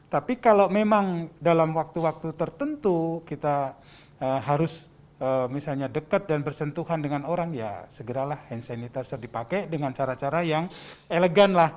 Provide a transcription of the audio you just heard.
tapi kalau memang dalam waktu waktu tertentu kita harus misalnya dekat dan bersentuhan dengan orang ya segeralah hand sanitizer dipakai dengan cara cara yang elegan lah